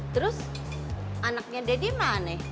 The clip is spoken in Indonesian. terus anaknya deddy mana